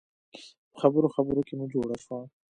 په خبرو خبرو کې مو جوړه شوه.